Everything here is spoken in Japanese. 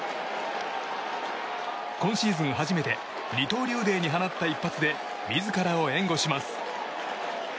今シーズン初めて二刀流デーに放った一発で自らを援護します。